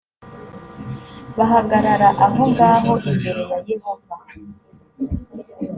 bahagarara aho ngaho imbere ya yehova